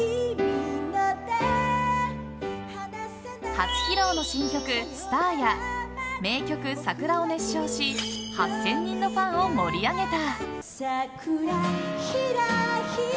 初披露の新曲「ＳＴＡＲ」や名曲「ＳＡＫＵＲＡ」を熱唱し８０００人のファンを盛り上げた。